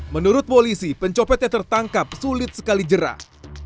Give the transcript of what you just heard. menurut polisi pencopet yang tertangkap sulit sekali jerah